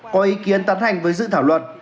có ý kiến tán thành với dự thảo luận